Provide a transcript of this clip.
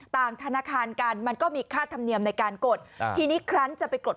ธนาคารกันมันก็มีค่าธรรมเนียมในการกดอ่าทีนี้ครั้นจะไปกด